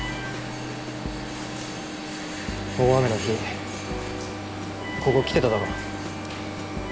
大雨の日ここ来てただろ。